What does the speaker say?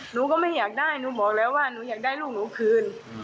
หนูก็ไม่อยากได้หนูบอกแล้วว่าหนูอยากได้ลูกหนูคืน